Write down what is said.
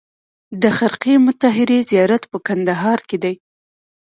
د خرقې مطهرې زیارت په کندهار کې دی